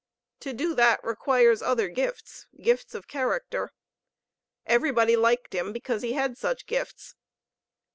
To do that requires other gifts, gifts of character. Everybody liked him, because he had such gifts.